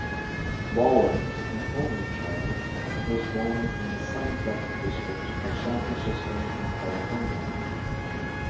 Whalin, an only child, was born in the Sunset District of San Francisco, California.